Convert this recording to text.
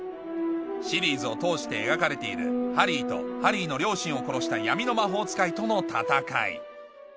シリーズを通して描かれているハリーとハリーの両親を殺した闇の魔法使いとの戦い